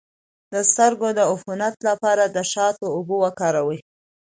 د سترګو د عفونت لپاره د شاتو اوبه وکاروئ